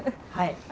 はい。